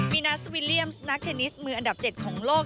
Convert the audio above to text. มีนาสวิลเลี่ยมส์นักเทนนิสมืออันดับ๗ของโลก